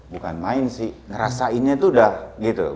bukan main sih ngerasainnya itu udah gitu